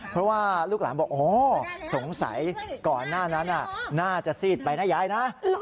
เพราะว่าลูกหลานบอกอ๋อสงสัยก่อนหน้านั้นน่าจะซีดไปนะยายนะ